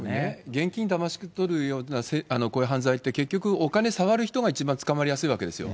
現金だまし取るようなこういう犯罪って、結局お金触る人が一番捕まりやすいわけですよ。